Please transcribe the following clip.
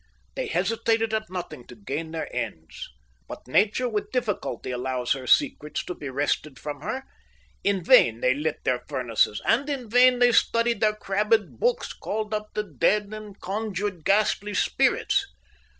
They hesitated at nothing to gain their ends. But Nature with difficulty allows her secrets to be wrested from her. In vain they lit their furnaces, and in vain they studied their crabbed books, called up the dead, and conjured ghastly spirits.